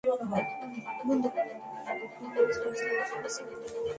আপনি আজ ফজরের নামাজ পড়েছেন?